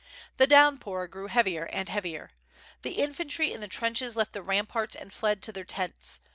The downpour grew heavier and heavier. The infantry in the trenches left the ramparts and fled to their tents.